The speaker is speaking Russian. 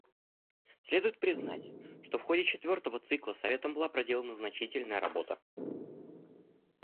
Следует признать, что в ходе четвертого цикла Советом была проделана значительная работа.